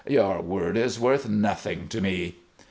"Your word is worth nothing to me."